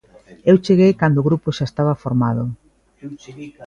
Eu cheguei cando o grupo xa estaba formado.